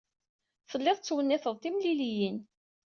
Telliḍ tettwenniteḍ timliliyin.